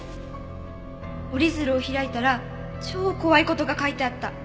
「折り鶴を開いたら超怖い事が書いてあった」